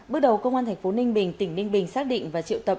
bước đầu công an tp ninh bình tỉnh ninh bình xác định và triệu tập